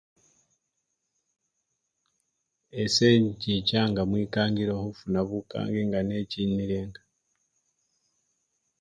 Ese inchichanga mwikangilo khufuna bukangi nga nechinilenga.